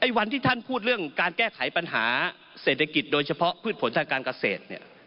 ไว้วันที่ท่านพูดเรื่องการแก้ไขปัญหาเศรษฐกิจโดยเฉพาะพลผลธนการกาเศษ